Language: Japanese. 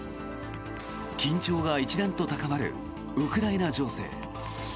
緊張が一段と高まるウクライナ情勢。